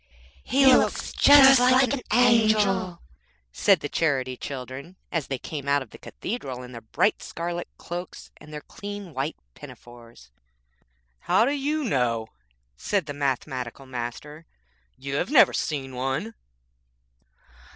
'He looks just like an angel,' said the Charity Children as they came out of the cathedral in their bright scarlet cloaks, and their clean white pinafores. 'How do you know?' said the Mathematical Master, 'you have never seen one.'